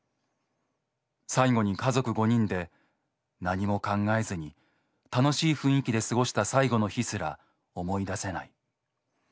最後に家族５人で何も考えずに楽しい雰囲気で過ごした最後の日すら思い出せない。